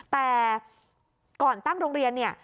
แต่ก่อนตั้งโรงเรียน